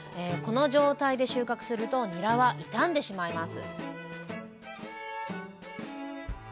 この状態で収穫するとニラは傷んでしまいます